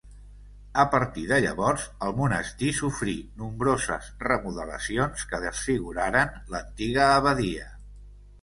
A partir de llavors, el monestir sofrí nombroses remodelacions que desfiguraren l'antiga abadia.